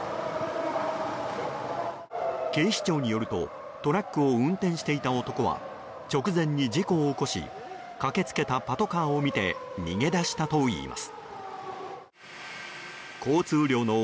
警視庁によるとトラックを運転していた男は直前に事故を起こし駆け付けたパトカーを見て逃げ出したといいます。